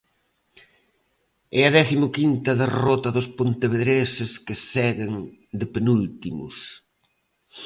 É a décimo quinta derrota dos pontevedreses que seguen de penúltimos.